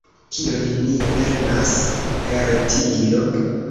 Kion ni lernas per tio?